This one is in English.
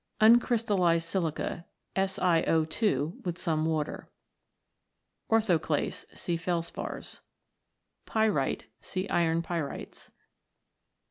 Uncrystallised silica, Si0 2 , with some water. Orthoclase. See Felspars. Pyrite. See Iron Pyrites.